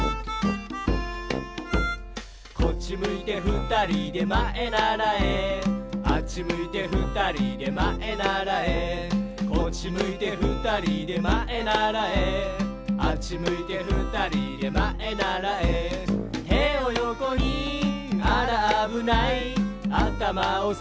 「こっちむいてふたりでまえならえ」「あっちむいてふたりでまえならえ」「こっちむいてふたりでまえならえ」「あっちむいてふたりでまえならえ」「てをよこにあらあぶない」「あたまをさげればぶつかりません」